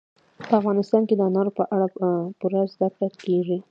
په افغانستان کې د انارو په اړه پوره زده کړه کېږي.